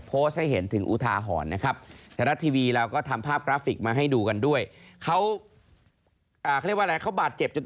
โพสต์ให้เห็นถึงอุทาหรณ์นะครับ